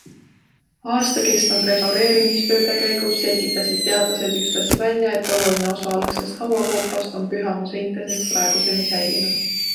Aasta kestnud restaureerimistööde käigus selgitasid teadlased ühtlasi välja, et oluline osa algsest hauakoopast on pühamu seinte sees praeguseni säilinud.